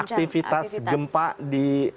aktivitas gempa di